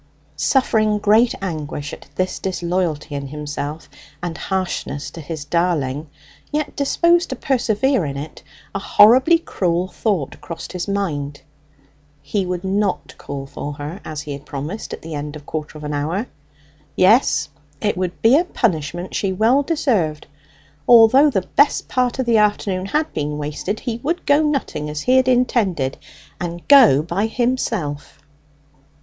Suffering great anguish at this disloyalty in himself and harshness to his darling, yet disposed to persevere in it, a horribly cruel thought crossed his mind. He would not call for her, as he had promised, at the end of a quarter of an hour! Yes, it would be a punishment she well deserved. Although the best part of the afternoon had been wasted he would go nutting as he had intended, and go by himself.